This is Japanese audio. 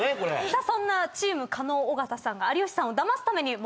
さあそんなチーム狩野・尾形さんが有吉さんをダマすために持ってきた問題